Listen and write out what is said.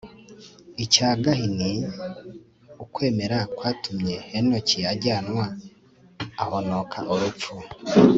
icya gahini. ukwemera kwatumye henoki ajyanwa ahonoka urupfu